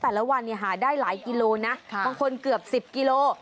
แต่ละวันหาได้หลายกิโลนะบางคนเกือบ๑๐กิโล